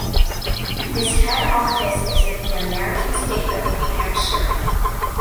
His head office is in the American state of New Hampshire.